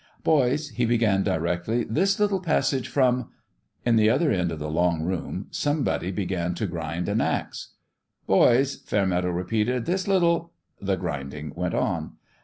" Boys," he began, directly, " this little passage from " In the other end of the long room somebody began to grind an axe. "Boys," Fairmeadow repeated, "this lit tle " The grinding went on.